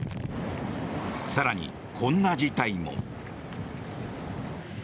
更に、こんな事態も。